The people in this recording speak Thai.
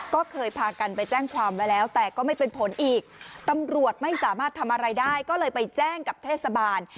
ก็เคยพากันไปแจ้งความไว้แล้วแต่ก็ไม่เป็นผลอีกตำรวจไม่สามารถทำอะไรได้ก็เลยไปแจ้งกับเทศบาล